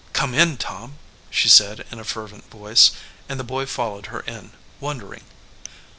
"Come in, Tom," she said in a fervent voice, and the boy followed her in, wondering.